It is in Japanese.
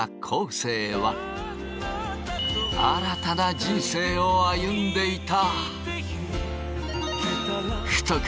生は新たな人生を歩んでいた。